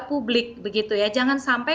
publik jangan sampai